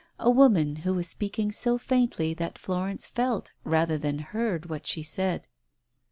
A woman, who was speaking so faintly that Florence felt rather than heard what she said.